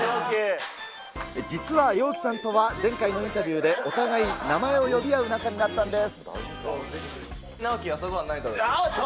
実はリョーキさんとは、前回のインタビューでお互い、名前を呼び合う仲になったんです。